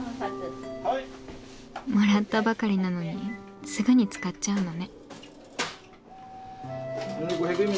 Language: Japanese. もらったばかりなのにすぐに使っちゃうのね。